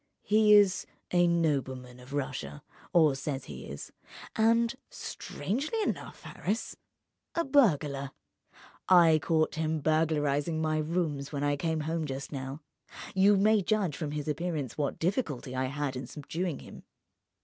"He is a nobleman of Russia, or says he is, and—strangely enough, Harris!—a burglar. I caught him burglarizing my rooms when I came home just now. You may judge from his appearance what difficulty I had in subduing him."